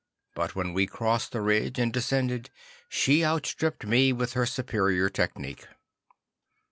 But when we crossed the ridge and descended, she outstripped me with her superior technique.